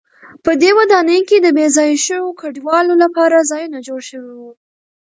په دې ودانۍ کې د بې ځایه شویو کډوالو لپاره ځایونه جوړ شوي و.